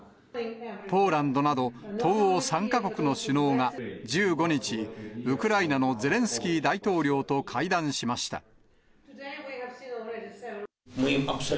ポーランドなど、東欧３か国の首脳が、１５日、ウクライナのゼレンスキー大統領と会談しました。